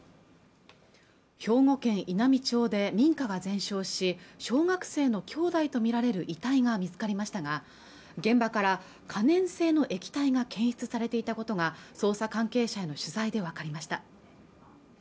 兵庫県稲美町で民家が全焼し小学生の兄弟と見られる遺体が見つかりましたが現場から可燃性の液体が検出されていたことが捜査関係者への取材で分かりました